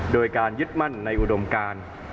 โดยการยึดมั่นในอุดมการ